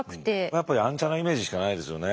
やっぱヤンチャなイメージしかないですよね。